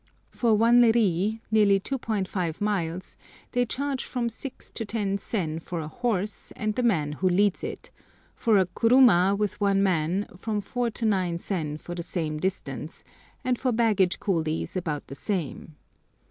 For a ri, nearly 2½ miles, they charge from 6 to 10 sen for a horse and the man who leads it, for a kuruma with one man from 4 to 9 sen for the same distance, and for baggage coolies about the same.